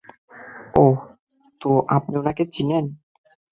হ্যাঁ, তো, আপনি উনাকে চিনেন?